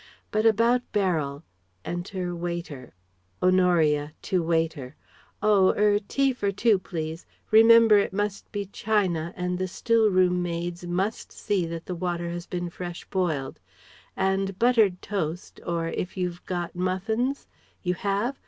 But about Beryl " (Enter waiter....) Honoria (to waiter): "Oh er tea for two please. Remember it must be China and the still room maids must see that the water has been fresh boiled. And buttered toast or if you've got muffins...? You have?